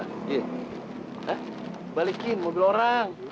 hah balikin mobil orang